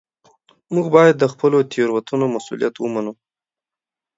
موږ باید د خپلو تېروتنو مسوولیت ومنو